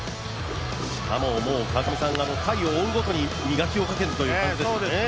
しかももう、川上さん、回を追うごとに磨きがかかるという感じでしたね。